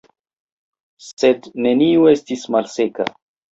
Sed neniu estis malseka.